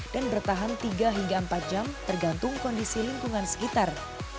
dan bertahan tiga hingga empat jam tergantung kondisi lingkungan sekitar